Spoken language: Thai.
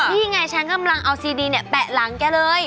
นี่ไงฉันกำลังเอาซีดีเนี่ยแปะหลังแกเลย